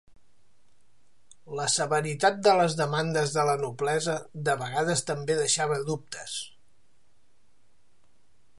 La severitat de les demandes de la noblesa de vegades també deixava dubtes.